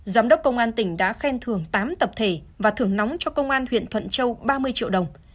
giám đốc công an tỉnh đã khen thưởng tám tập thể và thưởng nóng cho công an huyện thuận châu ba mươi triệu đồng